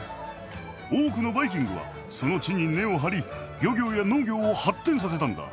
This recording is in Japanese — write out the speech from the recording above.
多くのバイキングはその地に根を張り漁業や農業を発展させたんだ。